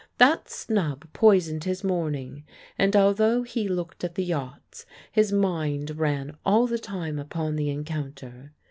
That snub poisoned his morning, and although he looked at the yachts, his mind ran all the time upon the encounter.